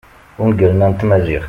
ungalen-a n tmaziɣt